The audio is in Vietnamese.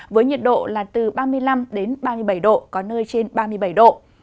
với nhiệt độ là từ ba mươi năm ba mươi bảy độ có nơi trên ba mươi bảy độ